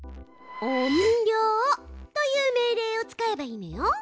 「音量」という命令を使えばいいのよ。